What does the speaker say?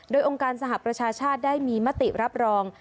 โดยองค์การสหประชาชาติได้มีมติรับรอง